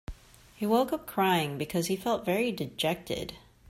He woke up crying because he felt very dejected.